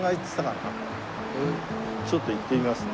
ちょっと行ってみます。